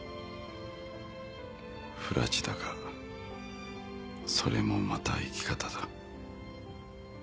ふらちだがそれもまた生き方だ。